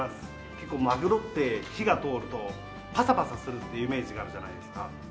結構マグロって火が通るとパサパサするっていうイメージがあるじゃないですか。